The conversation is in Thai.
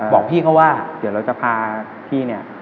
เดี๋ยวเราจะพาพี่